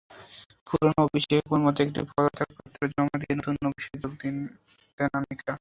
পুরোনো অফিসে কোনোমতে একটি পদত্যাগপত্র জমা দিয়ে নতুন অফিসে যোগ দেন আনিকা।